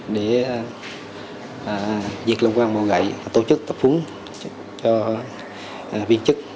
để diệt lông quang bầu gậy tổ chức tập phúng cho viên chức